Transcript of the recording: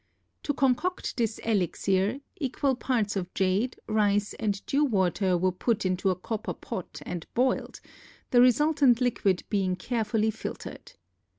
To concoct this elixir equal parts of jade, rice, and dew water were put into a copper pot and boiled, the resultant liquid being carefully filtered.